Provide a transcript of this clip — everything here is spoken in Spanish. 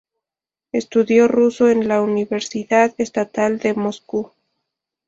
Estudió ruso en la Universidad Estatal de Moscú.